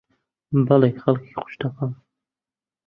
بەڵێ، خەڵکی قوشتەپەم.